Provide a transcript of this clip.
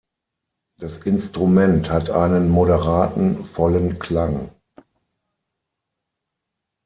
Das Instrument hat einen moderaten, vollen Klang.